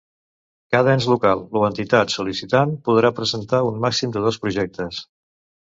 Cada ens local o entitat sol·licitant podrà presentar un màxim de dos projectes.